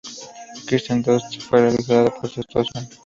Kristen Dunst fue elogiada por su actuación.